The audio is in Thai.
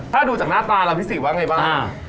ถ้าดูจากหน้าตาเราพี่สิว่าอย่างไรบ้าง